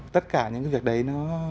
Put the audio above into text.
tất cả những cái việc đấy nó